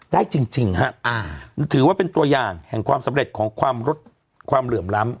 ได้จริงฮะถือว่าเป็นตัวอย่างแห่งความสำเร็จของความเหลื่อมล้ำ